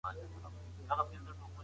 د سفر کڅوړه مو ډېره درنه ده.